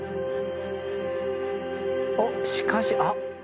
おっしかしあっ！